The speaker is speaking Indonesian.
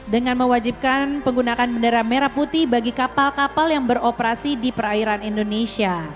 dengan mewajibkan penggunaan bendera merah putih bagi kapal kapal yang beroperasi di perairan indonesia